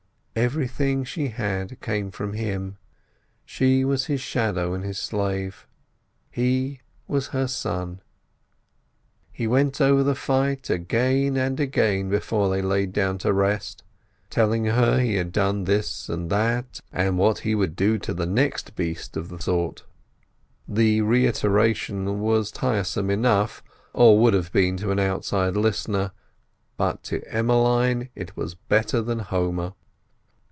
Everything she had came from him: she was his shadow and his slave. He was her sun. He went over the fight again and again before they lay down to rest, telling her he had done this and that, and what he would do to the next beast of the sort. The reiteration was tiresome enough, or would have been to an outside listener, but to Emmeline it was better than Homer.